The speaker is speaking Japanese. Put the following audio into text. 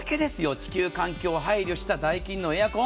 地球環境に配慮したダイキンのエアコン。